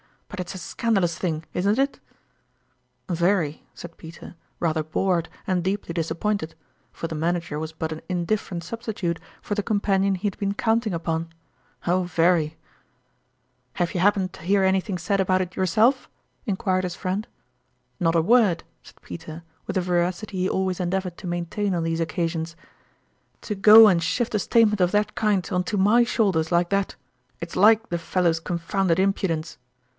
" But it's a scandalous thing, isn't it ?"" Very," said Peter, rather bored and deeply disappointed ; for the manager was but an in different substitute for the companion he had been counting upon. " Oh, very !" 104 Sourmalin's f&irtie " Have you happened to hear anything said about it yourself ?" inquired his friend. " Not a word !" said Peter, with the veracity he always endeavored to maintain on these oc casions. " To go and shift a statement of that kind on to my shoulders like that, it's like the fel low's confounded impudence